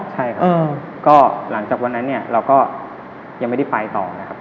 ใช่ครับก็หลังจากวันนั้นเนี่ยเราก็ยังไม่ได้ไปต่อนะครับ